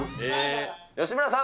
吉村さん。